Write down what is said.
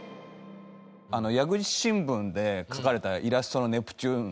『矢口新聞』で描かれたイラストのネプチューンさん